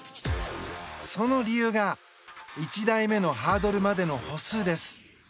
その理由が１台目のハードルまでの歩数です。